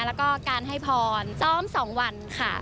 แล้วก็การให้พรซ้อม๒วันค่ะ